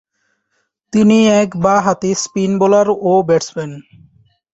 তিনি এক বাঁ-হাতি স্পিন বোলার ও ব্যাটসম্যান।